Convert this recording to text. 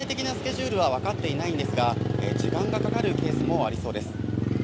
移送の具体的なスケジュールは分かっていないんですが、時間がかかるケースもありそうです。